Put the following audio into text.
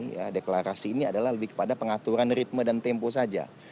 ya deklarasi ini adalah lebih kepada pengaturan ritme dan tempo saja